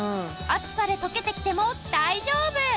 暑さで溶けてきても大丈夫！